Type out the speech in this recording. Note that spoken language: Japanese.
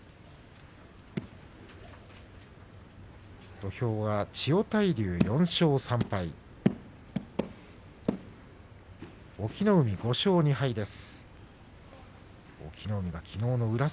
土俵は千代大龍、４勝３敗隠岐の海、５勝２敗です。